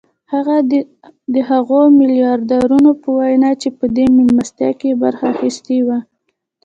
د هغو ميلياردرانو په وينا چې په دې مېلمستيا کې يې برخه اخيستې وه.